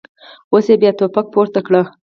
اوس یې بیا ټوپک پورته کړی.